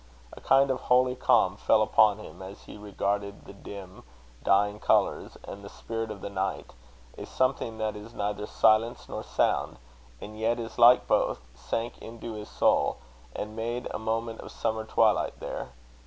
A kind of holy calm fell upon him as he regarded the dim, dying colours; and the spirit of the night, a something that is neither silence nor sound, and yet is like both, sank into his soul, and made a moment of summer twilight there.